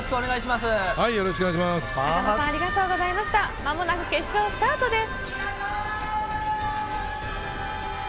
まもなく決勝スタートです。